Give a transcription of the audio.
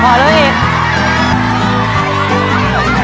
เจ๊มน้ำไปอีก๕ชิ้นเมื่อนั้นนะครับ